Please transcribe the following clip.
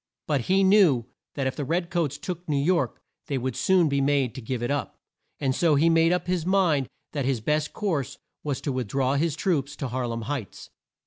But he knew that if the red coats took New York they would soon be made to give it up, and so he made up his mind that his best course was to with draw his troops, to Har lem Heights.